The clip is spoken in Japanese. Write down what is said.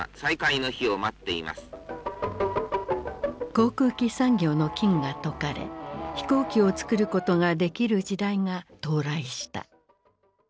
航空機産業の禁が解かれ飛行機をつくることができる時代が到来した。